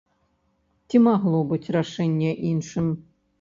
Ці магло быць рашэнне іншым?